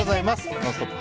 「ノンストップ！」